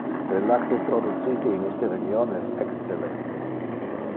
Le lacte producite in iste region es excellente.